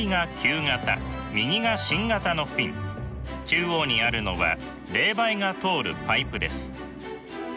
中央にあるのは冷媒が通るパイプです。